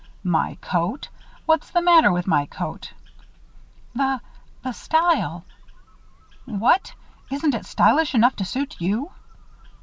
"My coat! What's the matter with my coat?" "The the style." "What! Isn't it stylish enough to suit you?"